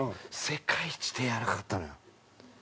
世界一手やわらかかったのよ。